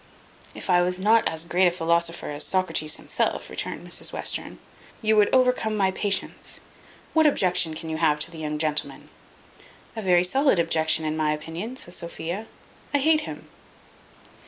"If I was not as great a philosopher as Socrates himself," returned Mrs Western, "you would overcome my patience. What objection can you have to the young gentleman?" "A very solid objection, in my opinion," says Sophia "I hate him."